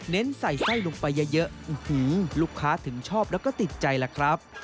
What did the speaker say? ใส่ไส้ลงไปเยอะลูกค้าถึงชอบแล้วก็ติดใจล่ะครับ